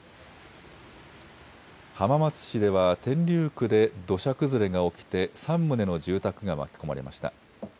浜松市では天竜区で土砂崩れが起きて３棟の住宅が巻き込まれました。